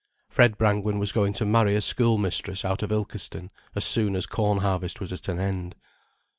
Fred Brangwen was going to marry a schoolmistress out of Ilkeston as soon as corn harvest was at an end.